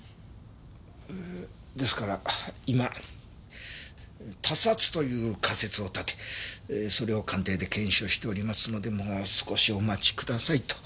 ですから今他殺という仮説を立てそれを鑑定で検証しておりますのでもう少しお待ちくださいと。